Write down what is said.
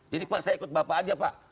jadi pak saya ikut bapak aja pak